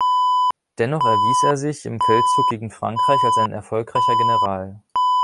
Dennoch erwies er sich im Feldzug gegen Frankreich als ein erfolgreicher General.